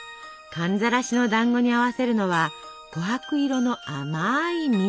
寒ざらしのだんごに合わせるのはこはく色の甘い蜜。